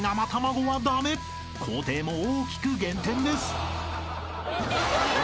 ［工程も大きく減点です］も！